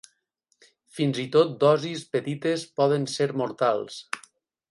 Fins i tot dosis petites poden ser mortals.